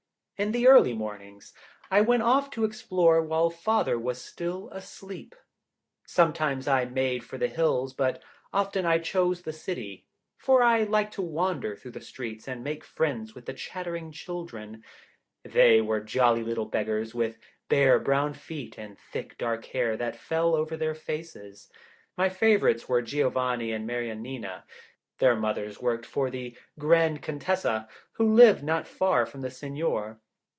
In the early mornings I went off to explore while Father was still asleep. Sometimes I made for the hills, but often I chose the city, for I liked to wander through the streets and make friends with the chattering children. They were jolly little beggars, with bare brown feet and thick dark hair that fell over their faces. My favourites were Giovanni and Mariannina; their mother worked for a grand Contessa who lived not far from the Signor.